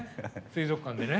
水族館でね。